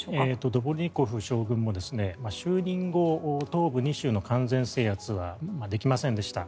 ドボルニコフ将軍も就任後、東部２州の完全制圧はできませんでした。